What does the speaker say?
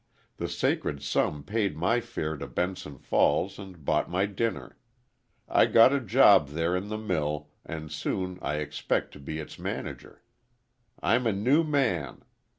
The sacred sum paid my fare to Benson Falls and bought my dinner. I got a job there in the mill and soon I expect to be its manager. I'm a new man.